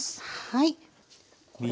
はい。